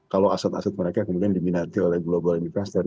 kalau aset aset mereka kemudian diminati oleh global investor